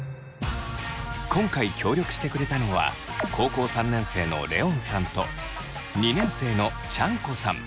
今回協力してくれたのは高校３年生のレオンさんと２年生のチャン子さん。